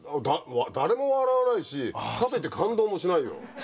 誰も笑わないしかといって感動もしないよ。